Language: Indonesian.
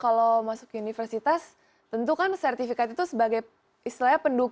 kalau masuk universitas tentu kan sertifikat itu sebagai istilahnya pendukung